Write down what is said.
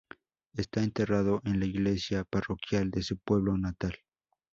Está enterrado en la iglesia parroquial de su pueblo natal.